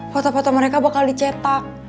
foto foto mereka bakal dicetak